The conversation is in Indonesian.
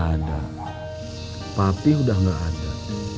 udah tapi udah gak ada